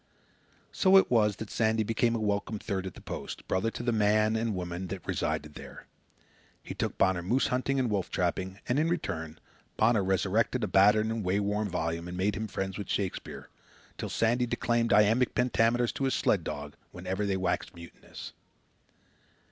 So it was that Sandy became a welcome third at the post, brother to the man and woman that resided there. He took Bonner moose hunting and wolf trapping; and, in return, Bonner resurrected a battered and way worn volume and made him friends with Shakespeare, till Sandy declaimed iambic pentameters to his sled dogs whenever they waxed mutinous.